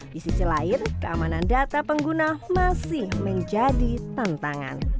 di sisi lain keamanan data pengguna masih menjadi tantangan